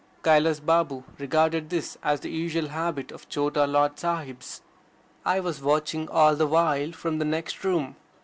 Kailas Babu regarded this as the usual habit of Chota Lard Sahibs. I was watching all the while from the next room.